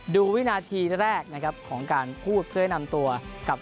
ดูวินาทีแรกของการพูดเพื่อนำตัวกับ